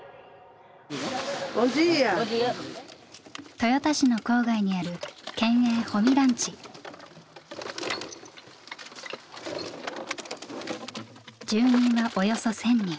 豊田市の郊外にある住民はおよそ１，０００人。